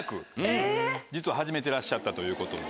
実は始めてらっしゃったということで。